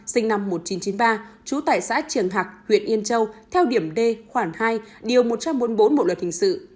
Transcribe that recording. sinh năm một nghìn chín trăm chín mươi ba trú tại xã triềng hạc huyện yên châu theo điểm d khoản hai điều một trăm bốn mươi bốn bộ luật hình sự